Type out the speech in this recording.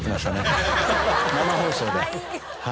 生放送で。